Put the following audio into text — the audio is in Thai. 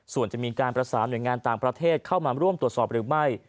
ส่วนจะมีการประสานหน่วยงานต่างประเทศเข้ามาร่วมตรวจสอบหรือไม่